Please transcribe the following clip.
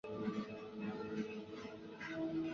特搜战队刑事连者。